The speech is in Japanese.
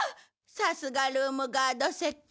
さすがルームガードセット。